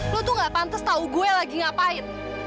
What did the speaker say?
lu tuh gak pantas tau gue lagi ngapain